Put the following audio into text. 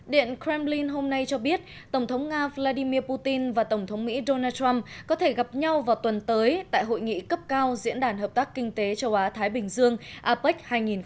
điện kremlin hôm nay cho biết tổng thống nga vladimir putin và tổng thống mỹ donald trump có thể gặp nhau vào tuần tới tại hội nghị cấp cao diễn đàn hợp tác kinh tế châu á thái bình dương apec hai nghìn hai mươi